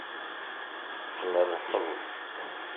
Tmerrḥeḍ.